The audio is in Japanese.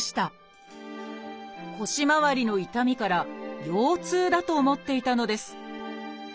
腰まわりの痛みから腰痛だと思っていたのです